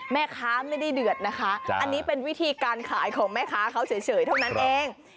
แม่ค้าไม่ได้เดือดนะคะอันนี้เป็นวิธีการขายของแม่ค้าเขาเฉยเท่านั้นเอง